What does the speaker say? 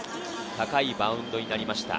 高いバウンドになりました。